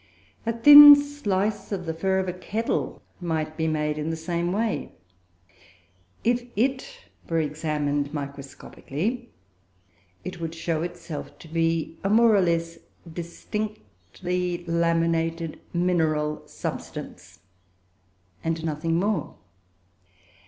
A thin slice of the fur of a kettle might be made in the same way. If it were examined microscopically, it would show itself to be a more or less distinctly laminated mineral substance, and nothing more.